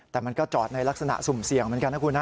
แต่มันก็จอดในลักษณะสุ่มเสี่ยงเหมือนกันนะคุณนะ